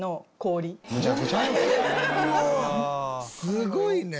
「すごいね」